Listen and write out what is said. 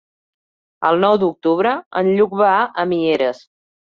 El nou d'octubre en Lluc va a Mieres.